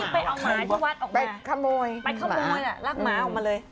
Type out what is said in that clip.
พี่น้าที่ดูเลย